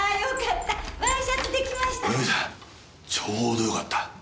ちょうどよかった。